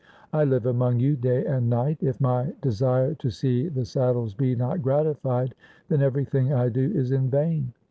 I live among you day and night. If my desire to see the saddles be not gratified, then everything I do is in vain.